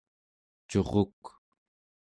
curuk